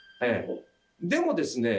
でもですね